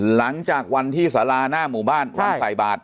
หลังจากวันที่สาราหน้าหมู่บ้านวันใส่บาท